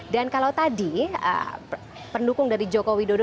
dan kalau tadi pendukung dari jokowi dodo